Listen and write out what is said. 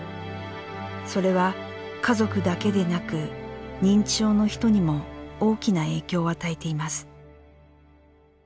それは、家族だけでなく認知症の人にも大きな影響を与えています。